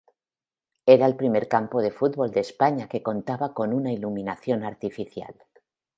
Era el primer campo de fútbol de España que contaba con iluminación artificial.